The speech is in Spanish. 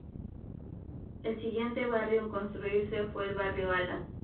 El siguiente barrio en construirse fue el barrio Alas.